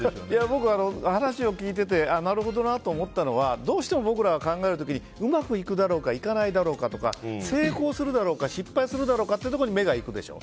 僕、話を聞いててなるほどなと思ったのはどうしても僕らは考える時うまくいくだろうかいかないだろうかとか成功するだろうか失敗するだろうかというところに目が行くでしょ。